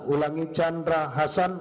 ulangi chandra hassan